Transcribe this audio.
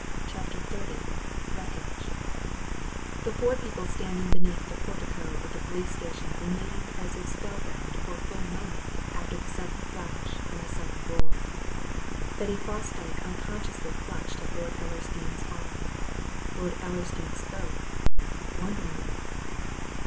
CHAPTER XXX WRECKAGE The four people standing beneath the portico of the police station remained as if spell bound for a full moment after the sudden flash and the sudden roar. Betty Fosdyke unconsciously clutched at Lord Ellersdeane's arm: Lord Ellersdeane spoke, wonderingly.